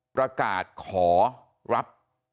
ประกาศขอรับ